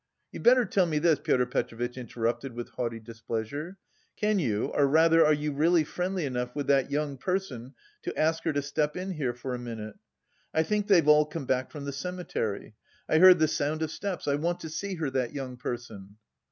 "You'd better tell me this," Pyotr Petrovitch interrupted with haughty displeasure, "can you... or rather are you really friendly enough with that young person to ask her to step in here for a minute? I think they've all come back from the cemetery... I heard the sound of steps... I want to see her, that young person."